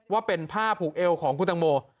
ว่าเป็นผ้าผูกเอวของคุณตังโม